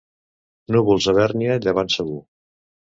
Núvols a Bèrnia, llevant segur.